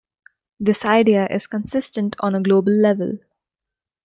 This idea is consistent on a global level.